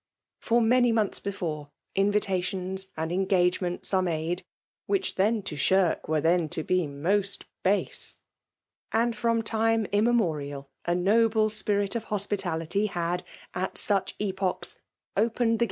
For many months before, invitations and engagements are made, which then to. shirk were then to be most base; •and from time immemorial a noble spirit of hospitality had at such epochs opened the FEUALB DOMnhrMf.